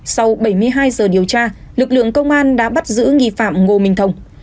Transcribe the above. sau bảy mươi hai giờ điều tra lực lượng công an đã bắt giữ nghi phạm ngô minh thông